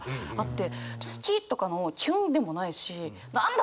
好きとかのキュンでもないし何だ？